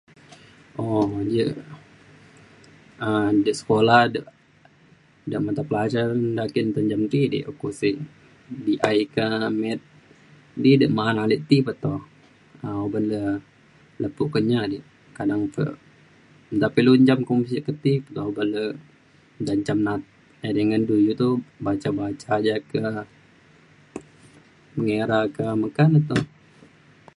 um jak um da sekolah da' matapelajaran da ake nta encam ti dik, ukuk sik BI ka, math di da' ma'an alik ti peto um oban le lepu' kenyah dik kadang pe nta pe ilu encam sik ke ti peto oban le nta encam na'at edai ngan du iu to baca-baca ja ka ngera ka meka ne to